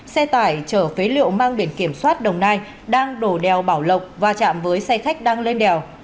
xe tải chở phế liệu mang biển kiểm soát đồng nai đang đổ đèo bảo lộc va chạm với xe khách đang lên đèo